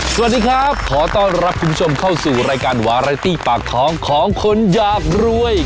สวัสดีครับขอต้อนรับคุณผู้ชมเข้าสู่รายการวาไรตี้ปากท้องของคนอยากรวย